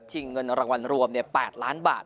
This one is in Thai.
เงินรางวัลรวม๘ล้านบาท